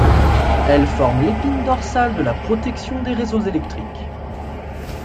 Elle forme l'épine dorsale de la protection des réseaux électriques.